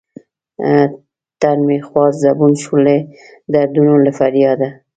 تن مې خوار زبون شو لۀ دردونو له فرياده